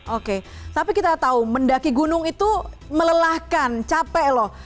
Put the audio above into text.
oke tapi kita tahu mendaki gunung itu melelahkan capek loh